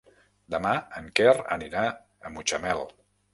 Demà en Quer anirà a Mutxamel.